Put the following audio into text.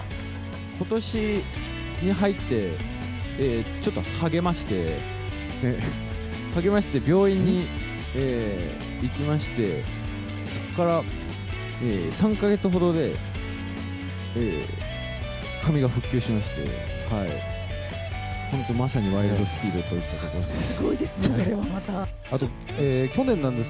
ことしに入って、ちょっとはげまして、はげまして、病院に行きまして、そこから３か月ほどで、髪が復旧しまして、本当まさにワイルド・スピードといったところです。